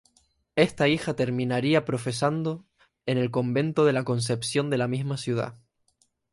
Esta hija terminaría profesando en el convento de la Concepción de la misma ciudad.